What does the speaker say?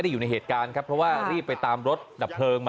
ยาเสพติด